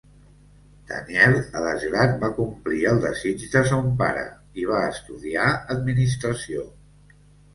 Daniel, a desgrat, va complir el desig de son pare, i va estudiar administració.